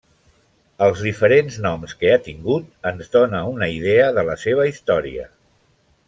Els diferents noms que ha tingut ens dóna una idea de la seva història.